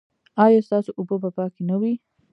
ایا ستاسو اوبه به پاکې نه وي؟